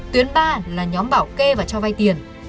tuyến ba là nhóm bảo kê và cho vay tiền